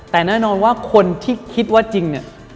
แต่แน่นอนว่าคนที่คิดว่าจริงเนี่ย